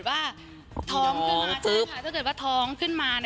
มันจะพอดีเลยถ้าเกิดว่าท้องขึ้นมา